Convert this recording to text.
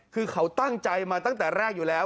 คือเขาตั้งใจมาตั้งแต่แรกอยู่แล้ว